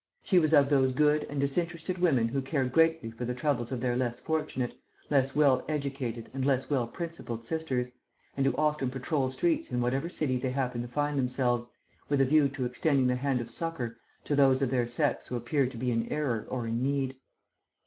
She was of those good and disinterested women who care greatly for the troubles of their less fortunate, less well educated and less well principled sisters, and who often patrol streets in whatever city they happen to find themselves, with a view to extending the hand of succour to those of their sex who appear to be in error or in need.